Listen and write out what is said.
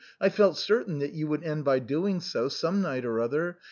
I felt certain you would end by doing so, some night or other.